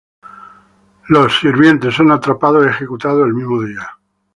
Los sirvientes son atrapados y ejecutados el mismo día.